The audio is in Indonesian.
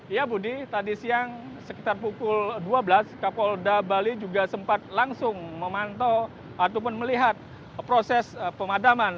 ya budi tadi siang sekitar pukul dua belas kapolda bali juga sempat langsung memantau ataupun melihat proses pemadaman